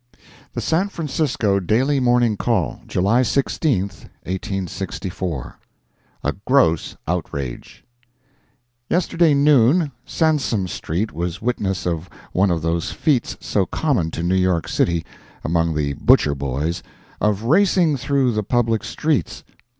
The San Francisco Daily Morning Call, July 16, 1864 A GROSS OUTRAGE Yesterday noon, Sansome street was witness of one of those feats so common to New York city, among the butcher boys, of racing through the public streets.